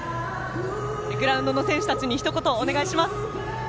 グラウンドの選手たちにひと言お願いします。